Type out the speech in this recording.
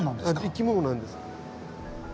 生き物なんです。